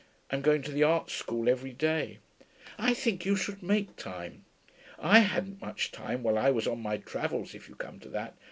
I'm going to the art school every day.' 'I think you should make time. I hadn't much time while I was on my travels, if you come to that.